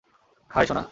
High, সোনা।